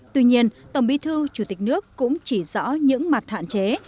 tuy nhiên tổng bí thư chủ tịch nước cũng chỉ rõ những mặt hạn chế